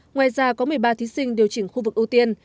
ngoài ra có một mươi ba thí sinh điều chỉnh khu vực ưu tiên